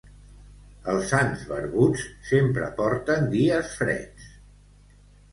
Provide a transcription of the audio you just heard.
Els sants barbuts sempre porten dies freds.